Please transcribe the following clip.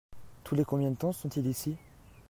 Tous les combien de temps sont-ils ici ?